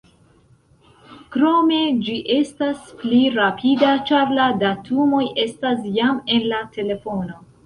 Krome ĝi estas pli rapida, ĉar la datumoj estas jam en la telefono.